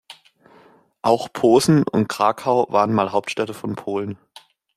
Auch Posen und Krakau waren mal Hauptstädte von Polen.